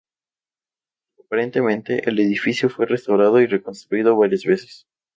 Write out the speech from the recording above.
Aparentemente, el edificio fue restaurado y reconstruido varias veces.